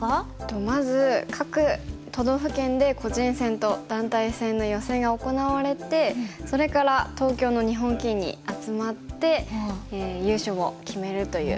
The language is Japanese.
まず各都道府県で個人戦と団体戦の予選が行われてそれから東京の日本棋院に集まって優勝を決めるという大会ですね。